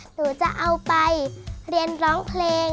หนูจะเอาไปเรียนร้องเพลง